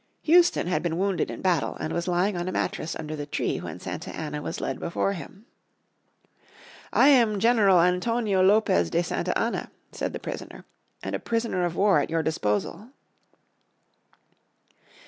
Houston had been wounded in the battle, and was lying on a mattress under the tree when Santa Anna was led before him. "I am General Antonio Lopez de Santa Anna," said the prisoner, "and a prisoner of war at your disposal."